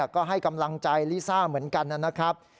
ก็ให้กำลังใจลิซ่าเหมือนกันนะครับ